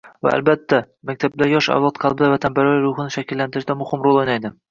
Va, albatta, maktablar yosh avlod qalbida vatanparvarlik tuyg'usini shakllantirishda muhim rol o'ynaydi